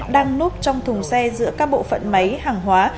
đang núp trong thùng xe giữa các bộ phận máy hàng hóa